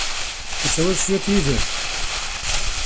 Ad tawiḍ cwiṭ yid-m?